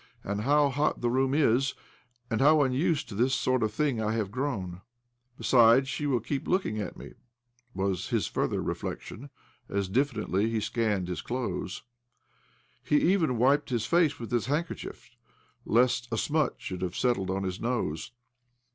" And how hot the room is ! And how unused to this sort of thing I have grown !"" Besides, she will keep looking at me," was his further reflection as diffidently he scanned his clothes. He even wiped his face with his handkerchief, lest a smut should have settled on his nose.